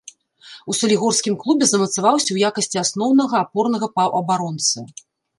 У салігорскім клубе замацаваўся ў якасці асноўнага апорнага паўабаронцы.